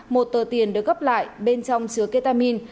một tờ tiền được gấp lại bên trong chứa ketamin